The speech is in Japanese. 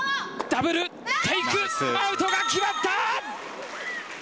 ダブルテイクアウトが決まった。